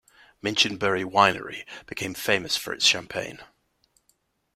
Minchinbury Winery became famous for its champagne.